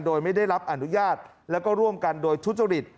โดยไม่ได้รับอนุญาตแล้วก็ร่วมกันโดยทุจริต